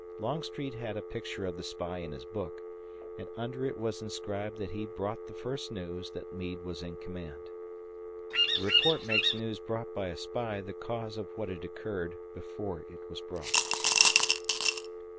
Longstreet had a picture of the spy in his book, and under it was inscribed that he brought the first news that Meade was in command. The report makes news brought by a spy the cause of what had occurred before it was brought.